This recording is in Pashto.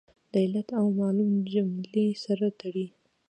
د علت او معلول جملې سره تړي.